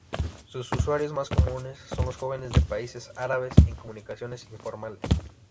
Sus usuarios más comunes son los jóvenes de países árabes en comunicaciones informales.